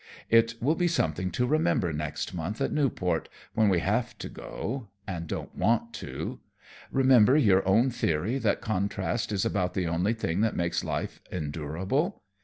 It will be something to remember next month at Newport, when we have to and don't want to. Remember your own theory that contrast is about the only thing that makes life endurable.